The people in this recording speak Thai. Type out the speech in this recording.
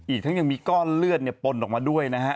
อีกทั้งยังมีก้อนเลือดปนออกมาด้วยนะฮะ